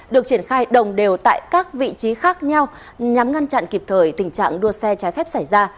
được triển khai đồng đều tại các vị trí khác nhau nhằm ngăn chặn kịp thời tình trạng đua xe trái phép xảy ra